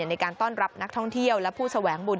ในการต้อนรับนักท่องเที่ยวและผู้แสวงบุญ